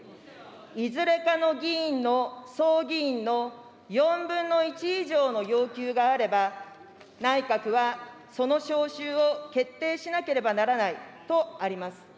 いづれかの議院の総議員の４分の１以上の要求があれば、内閣はその召集を決定しなければならないとあります。